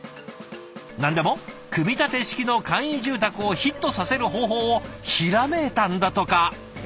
何でも組み立て式の簡易住宅をヒットさせる方法をひらめいたんだとか。